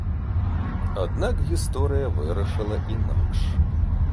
Аднак гісторыя вырашыла інакш.